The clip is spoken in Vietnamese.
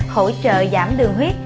hỗ trợ giảm đường huyết